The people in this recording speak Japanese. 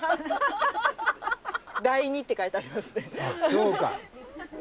そうか。